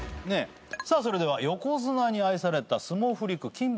さあそれでは横綱に愛された相撲フリークキンボシ